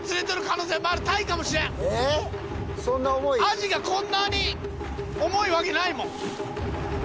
アジがこんなに重いわけないもん。